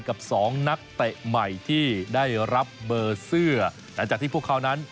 กับสองนักเตะใหม่ที่ได้รับเบอร์เสื้อหลังจากที่พวกเขานั้น